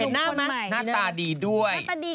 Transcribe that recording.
หน้าตาดีด้วย